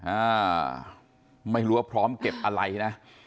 อ่าไม่รู้ว่าพร้อมเก็บอะไรนะ